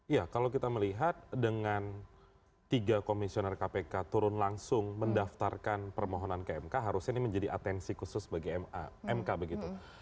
ya kalau kita melihat dengan tiga komisioner kpk turun langsung mendaftarkan permohonan ke mk harusnya ini menjadi atensi khusus bagi mk begitu